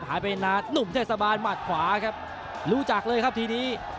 หายไปนานหนุ่มเทศบาลหมัดขวาครับรู้จักเลยครับทีนี้